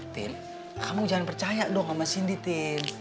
tin kamu jangan percaya dong sama sindi tin